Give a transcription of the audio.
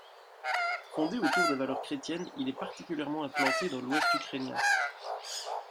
Fondé autour des valeurs chrétiennes, il est particulièrement implanté dans l'Ouest ukrainien.